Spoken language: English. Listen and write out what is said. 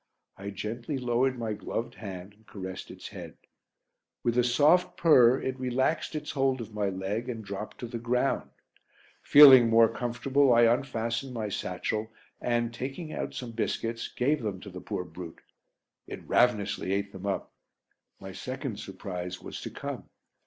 I gently lowered my gloved hand and caressed its head. With a soft purr it relaxed its hold of my leg and dropped to the ground. Feeling more comfortable I unfastened my satchel and, taking out some biscuits, gave them to the poor brute. It ravenously ate them up. My second surprise was to come.